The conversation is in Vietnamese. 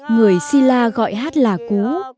người si la gọi hát là cú